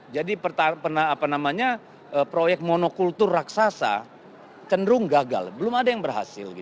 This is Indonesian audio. jadi proyek monokultur raksasa kenderung gagal belum ada yang berhasil